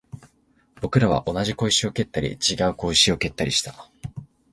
僕らは同じ小石を蹴ったり、違う小石を蹴ったりした